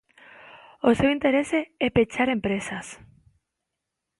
O seu interese é pechar empresas.